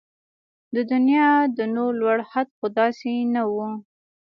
د دنيا د نور لوړ حد خو داسې نه و